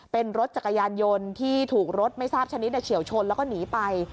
เป็นรถจักรยานยนต์ที่ถูกรถไม่ทราบชนิดเฉียวชนแล้วก็หนีไป